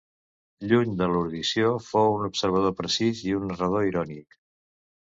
Lluny de l'erudició, fou un observador precís i un narrador irònic.